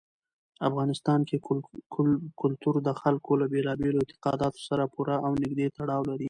افغانستان کې کلتور د خلکو له بېلابېلو اعتقاداتو سره پوره او نږدې تړاو لري.